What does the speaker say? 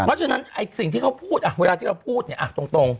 เพราะฉะนั้นไอ้สิ่งที่เขาพูดเวลาที่เราพูดเนี่ยตรง